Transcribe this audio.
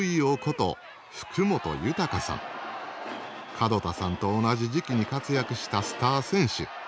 門田さんと同じ時期に活躍したスター選手。